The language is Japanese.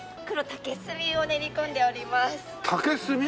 黒竹炭を練り込んでおります。